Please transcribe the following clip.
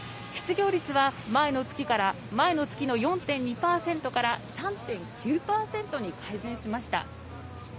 失業率は前の月の４．２％から３．９％に改善しました。